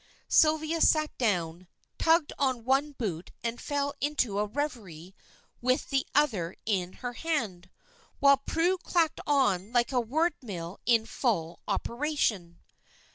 Sylvia sat down, tugged on one boot and fell into a reverie with the other in her hand, while Prue clacked on like a wordmill in full operation.